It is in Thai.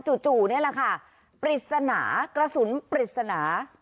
จู่นี่แหละค่ะปริศนากระสุนปริศนา